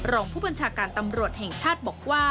รองผู้บัญชาการตำรวจแห่งชาติบอกว่า